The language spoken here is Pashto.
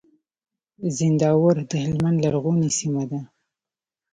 زينداور د هلمند لرغونې سيمه ده.